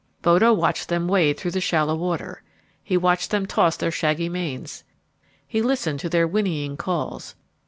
Bodo watched them wade through the shallow water. He watched them toss their shaggy manes. He listened to their whinnying calls.